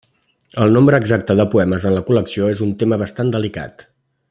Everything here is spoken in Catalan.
El nombre exacte de poemes en la col·lecció és un tema bastant delicat.